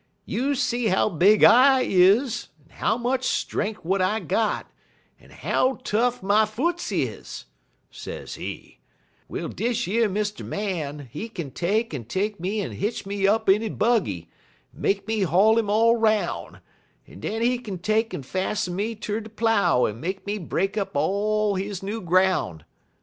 'You see how big I is, en how much strenk w'at I got, en how tough my foots is,' sezee; 'well dish yer Mr. Man, he kin take'n take me en hitch me up in he buggy, en make me haul 'im all 'roun', en den he kin take'n fassen me ter de plow en make me break up all his new groun',' sezee.